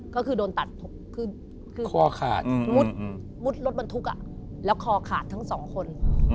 ก็คือโดนตัดข้อขาดมุดรถบรรทุกอ่ะแล้วขอขาดทั้งสองคน